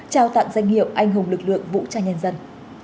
trao tặng danh hiệu anh hùng lực lượng vũ trang nhân dân